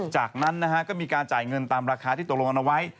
จากนั้นก็มีการจ่ายเงินตามราคาที่ตกลงกันเอาไว้